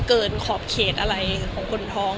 ขอบเขตอะไรของคนท้อง